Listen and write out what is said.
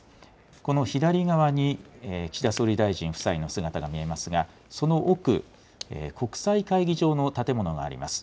この左側に岸田総理大臣夫妻の姿が見えますが、その奥、国際会議場の建物があります。